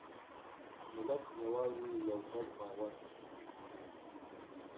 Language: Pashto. ملت یوازې یو ګډ باور دی.